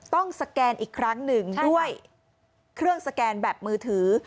สแกนอีกครั้งหนึ่งด้วยเครื่องสแกนแบบมือถือ